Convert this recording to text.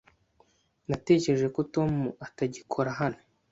Natekereje ko Tom atagikora hano.